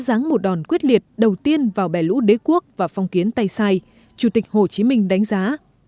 giáng một đòn quyết liệt đầu tiên vào bè lũ đế quốc và phong kiến tay sai chủ tịch hồ chí minh đánh giá